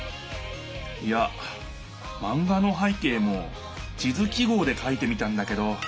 いやマンガの背景も地図記号でかいてみたんだけど。